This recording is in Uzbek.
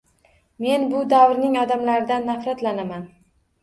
Men bu davrning odamlaridan nafratlanaman.